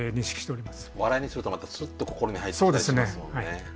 笑いにするとまたスッと心に入ってきたりしますもんね。